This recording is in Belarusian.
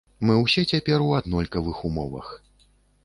Мы ўсе цяпер у аднолькавых умовах.